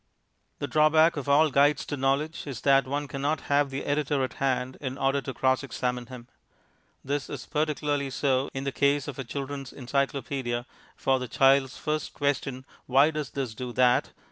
The drawback of all Guides to Knowledge is that one cannot have the editor at hand in order to cross examine him. This is particularly so in the case of a Children's Encyclopaedia, for the child's first question, "Why does this do that?"